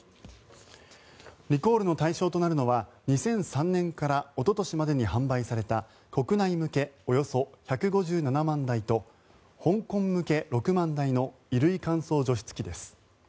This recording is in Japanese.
リコールの対象となるのは２００３年からおととしまでに販売された国内向けおよそ１５７万台と香港向け６万台の衣類乾燥除湿機です。